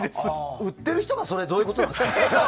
売ってる人がそれはどうなんですか？